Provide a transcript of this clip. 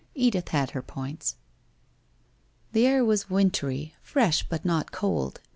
Edith had her points. ... The air was wintry, fresh, but not cold.